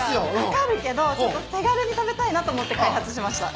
かかるけどちょっと手軽に食べたいなと思って開発しました。